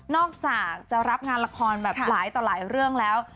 อกจากจะรับงานละครแบบหลายต่อหลายเรื่องแล้ว